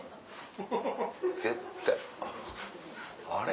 絶対あれ？